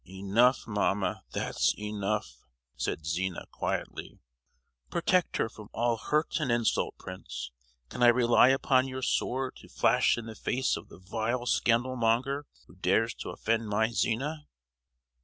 "Enough, mamma! that's enough," said Zina, quietly. "Protect her from all hurt and insult, Prince! Can I rely upon your sword to flash in the face of the vile scandal monger who dares to offend my Zina?"